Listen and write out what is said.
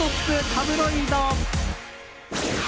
タブロイド。